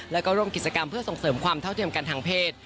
แล้วก็ร่วมกิจกรรมเพื่อส่งเสริมความเท่าเทียมกันทางเพศ